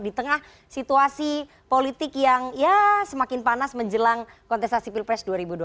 di tengah situasi politik yang ya semakin panas menjelang kontestasi pilpres dua ribu dua puluh